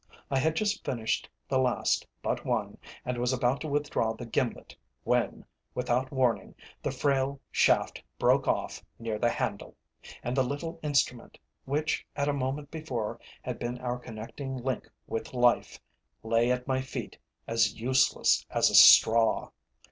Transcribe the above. I had just finished the last but one, and was about to withdraw the gimlet, when, without warning, the frail shaft broke off near the handle, and the little instrument, which a moment before had been our connecting link with life, lay at my feet as useless as a straw.